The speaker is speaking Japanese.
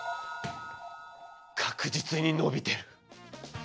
確実にのびてる！